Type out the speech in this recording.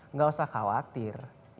enggak usah khawatir